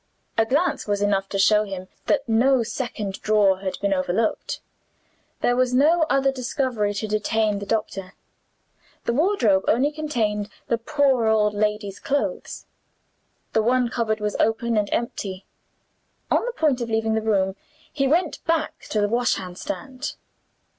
A glance was enough to show him that no second drawer had been overlooked. There was no other discovery to detain the doctor. The wardrobe only contained the poor old lady's clothes; the one cupboard was open and empty. On the point of leaving the room, he went back to the washhand stand.